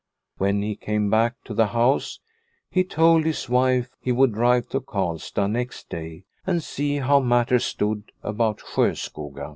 When he came back to the house he told his wife he would drive to Karlstad next day and see how matters stood about Sjoskoga.